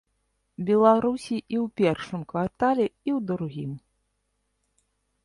Беларусі і ў першым квартале, і ў другім.